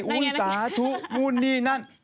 ไหวอุณสาห์สู่อุณนี่นั่น